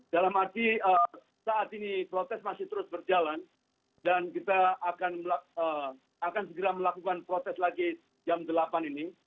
dalam arti saat ini protes masih terus berjalan dan kita akan segera melakukan protes lagi jam delapan ini